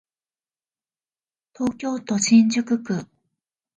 東京都新宿区